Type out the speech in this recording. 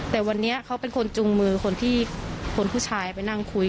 แต่วันนี้เขาเป็นคนจุงมือคนที่คนผู้ชายไปนั่งคุย